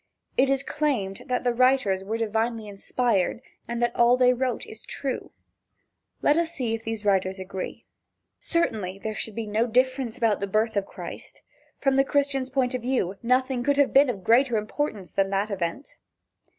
It is claimed that the writers were divinely inspired, and that all they wrote is true. Let us see if these writers agree. Certainly there should be no difference about the birth of Christ. From the Christian's point of view, nothing could have been of greater importance than that event.